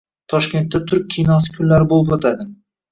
Toshkentda “Turk kinosi kunlari” bo‘lib o‘tadi